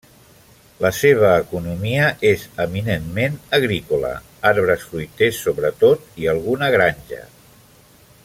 La seva economia és eminentment agrícola, arbres fruiters sobretot; i alguna granja.